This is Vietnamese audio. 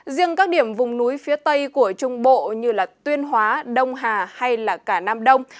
riêng các điểm vùng núi phía tây của trung bộ như tuyên hóa đông hà hay cả nam đông